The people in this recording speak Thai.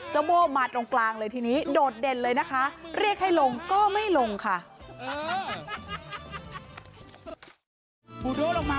โบ้มาตรงกลางเลยทีนี้โดดเด่นเลยนะคะเรียกให้ลงก็ไม่ลงค่ะ